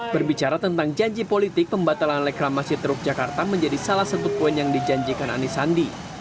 berbicara tentang janji politik pembatalan reklamasi teluk jakarta menjadi salah satu poin yang dijanjikan anies sandi